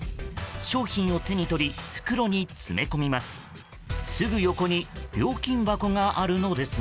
商品を手に取り袋に詰め込みます。